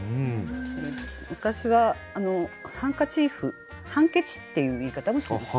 昔はハンカチーフ「ハンケチ」っていう言い方もします。